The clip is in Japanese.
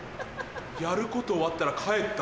やること終わったら帰った。